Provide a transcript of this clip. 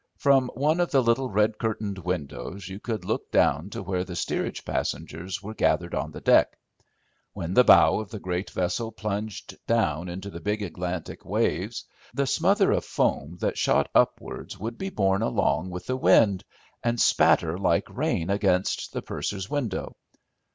From one of the little red curtained windows you could look down to where the steerage passengers were gathered on the deck. When the bow of the great vessel plunged down into the big Atlantic waves, the smother of foam that shot upwards would be borne along with the wind, and spatter like rain against the purser's window.